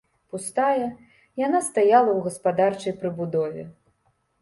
Пустая, яна стаяла ў гаспадарчай прыбудове.